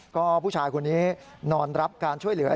ก็ผู้ชายคนนี้นอนรับการช่วยเหลือ